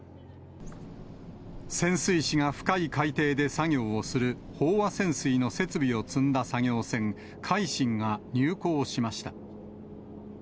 潜水士が深い海底で作業をする飽和潜水の設備を積んだ作業船、海進が入港しました。